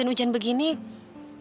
ayolah getar aja nih ma siang